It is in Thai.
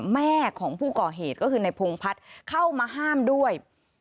แม่ของผู้ก่อเหตุก็คือในพงพัฒน์เข้ามาห้ามด้วย